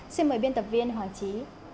xin mời biên tập viên hoàng trí